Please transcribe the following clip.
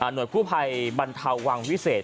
หน่วยผู้ไพ่บรรเทาวังวิเศษ